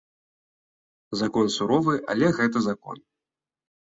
Закон суровы, але гэта закон.